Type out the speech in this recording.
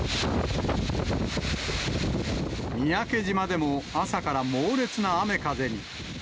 三宅島でも、朝から猛烈な雨風に。